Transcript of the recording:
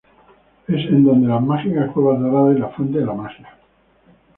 Es en donde las mágicas cuevas doradas y la fuente de la magia.